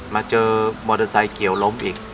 มาเจอมอเตอร์ไซค์เกี่ยวล้มอีก